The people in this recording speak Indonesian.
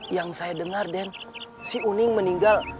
yang saya dengar den si uning meninggal